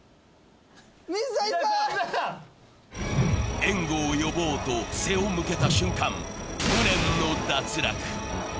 援護を呼ぼうと背を向けた瞬間、無念の脱落。